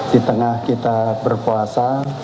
di tengah kita berpuasa